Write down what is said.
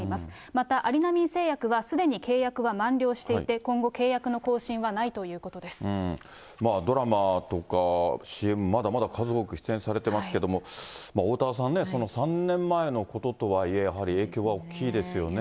またアリナミン製薬は、すでに契約は満了していて今後、ドラマとかＣＭ、まだまだ数多く出演されてますけども、おおたわさんね、３年前のこととはいえ、やはり影響は大きいですよね。